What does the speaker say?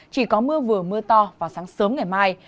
chỉ có mưa vừa mưa to vào sáng sớm ngày mai